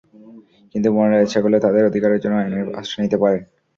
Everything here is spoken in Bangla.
কিন্তু বোনেরা ইচ্ছা করলে তাঁদের অধিকারের জন্য আইনের আশ্রয় নিতে পারেন।